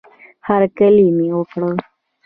هرکلی مې وکړه